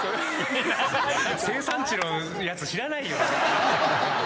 生産地のやつ知らないよ。